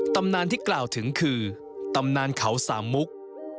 ตำนานที่กล่าวถึงคือตำนานเขาสามมุก